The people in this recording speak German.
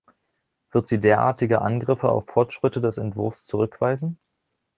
Wird sie derartige Angriffe auf Fortschritte des Entwurfs zurückweisen?